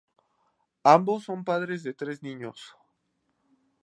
Ambos son padres de tres niños.